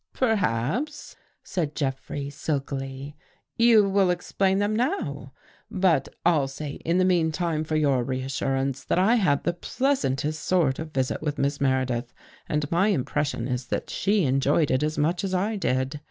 " Perhaps," said Jeffrey sllklly, " you will ex plain them now. But I'll say in the meantime, for your reassurance, that I had the pleasantest sort of visit with Miss Meredith and my impression is that she enjoyed It as much as I did.